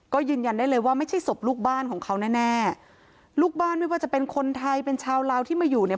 ก็ยืนยันได้เลยว่าไม่ใช่ศพลูกบ้านของเขาแน่แน่ลูกบ้านไม่ว่าจะเป็นคนไทยเป็นชาวลาวที่มาอยู่เนี่ย